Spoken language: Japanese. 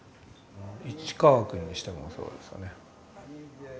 市川君にしてもそうですよね。